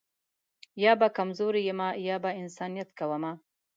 یا به کمزوری یمه یا به انسانیت کومه